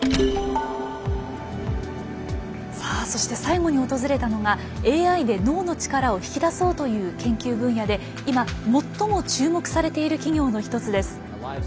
さあそして最後に訪れたのがＡＩで脳の力を引き出そうという研究分野で今最も注目されている企業の一つです。